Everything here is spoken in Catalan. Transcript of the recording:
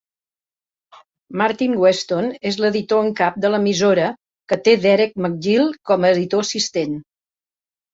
Martyn Weston és l'editor en cap de l'emissora, que té Derek McGill com a editor assistent.